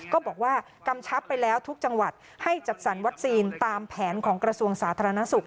บอกว่ากำชับไปแล้วทุกจังหวัดให้จัดสรรวัคซีนตามแผนของกระทรวงสาธารณสุข